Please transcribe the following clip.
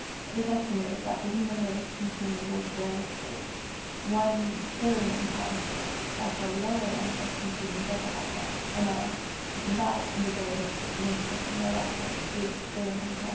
It is estimated that the human race consume in those various ways 1,000,000,000 lbs. daily; that the lower animals consume double that amount; and that, in the varied works of nature, no less than 8,000,000,000 lbs.